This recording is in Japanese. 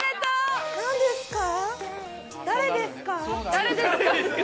「誰ですか？」。